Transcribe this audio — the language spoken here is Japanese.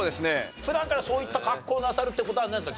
普段からそういった格好をなさるって事はないんですか？